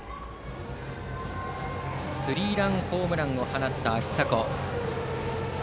スリーランホームランを放った芦硲。